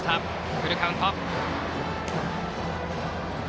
フルカウント。